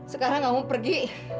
sekarang kamu pergi